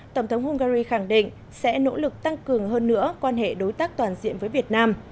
tổng thống hungary khẳng định sẽ nỗ lực tăng cường hơn nữa quan hệ đối tác toàn diện với việt nam